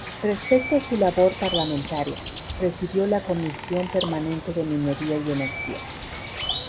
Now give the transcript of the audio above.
Respecto a su labor parlamentaria, presidió la Comisión Permanente de Minería y Energía.